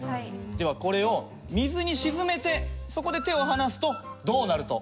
ではこれを水に沈めてそこで手を離すとどうなると思いますか？